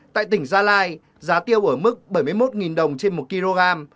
tại tỉnh gia lai giá tiêu ở mức bảy mươi một đồng trên một kg